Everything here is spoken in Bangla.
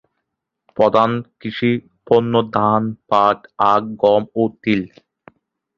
প্রধান কৃষি পণ্য ধান, পাট, আখ, গম ও তিল।